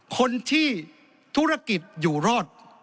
คนที่ธุรกิจอยู่รอด